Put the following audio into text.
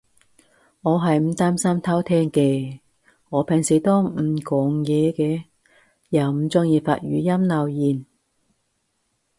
我係唔擔心偷聼嘅，我平時都唔講嘢嘅。又唔中意發語音留言